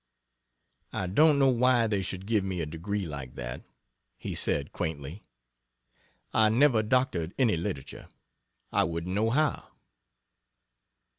"I don't know why they should give me a degree like that," he said, quaintly. "I never doctored any literature I wouldn't know how."